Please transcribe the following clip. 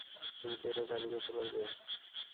তুমি কি এটা চালু করতে পারবে?